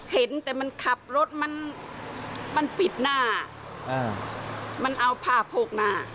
เห็นแต่มันขับรถมันมันปิดหน้ามันเอาผ้าโพกหน้า